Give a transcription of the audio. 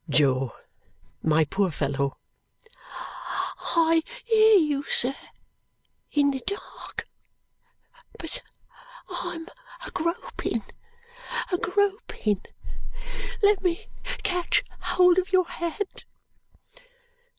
"Jo, my poor fellow!" "I hear you, sir, in the dark, but I'm a gropin a gropin let me catch hold of your hand."